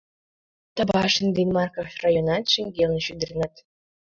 Табашин ден Марков районат шеҥгелне шӱдырнат.